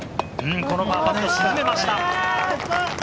このパーパットを沈めました。